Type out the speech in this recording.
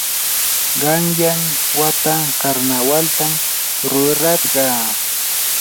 qanyan wata karnawaltam rurarqaa.